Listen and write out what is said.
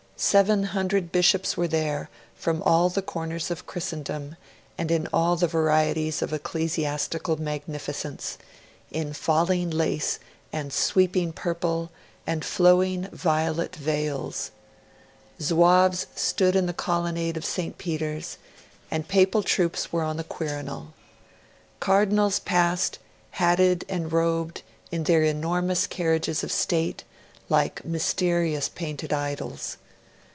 Seven hundred bishops were there from all the corners of Christendom, and in all the varieties of ecclesiastical magnificence in falling lace and sweeping purple and flowing violet veils. Zouaves stood in the colonnade of St Peter's, and Papal troops were on the Quirinal. Cardinals passed, hatted and robed, in their enormous carriage of state, like mysterious painted idols.